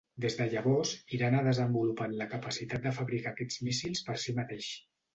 Des de llavors, Iran ha desenvolupat la capacitat de fabricar aquests míssils per si mateix.